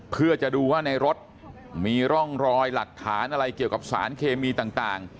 เพื่อจะดูว่าในรถมีร่องรอยหลักฐานอะไรเกี่ยวกับสารเคมีต่าง